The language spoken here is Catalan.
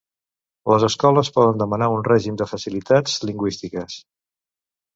Les escoles poden demanar un règim de facilitats lingüístiques.